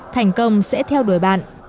thành công sẽ theo đuổi bạn